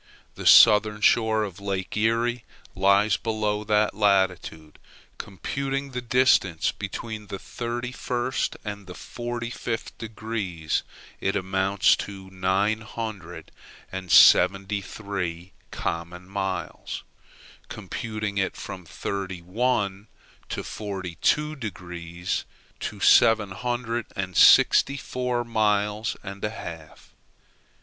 The southern shore of Lake Erie lies below that latitude. Computing the distance between the thirty first and forty fifth degrees, it amounts to nine hundred and seventy three common miles; computing it from thirty one to forty two degrees, to seven hundred and sixty four miles and a half.